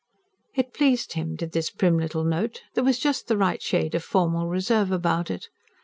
It pleased him, did this prim little note: there was just the right shade of formal reserve about it.